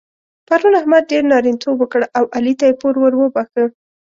پرون احمد ډېر نارینتوب وکړ او علي ته يې پور ور وباښه.